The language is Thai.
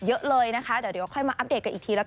เยอะเลยนะคะเดี๋ยวค่อยมาอัปเดตกันอีกทีแล้วกัน